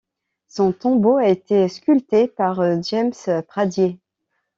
Son tombeau a été sculpté par James Pradier.